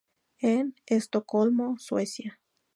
En Estocolmo, Suecia.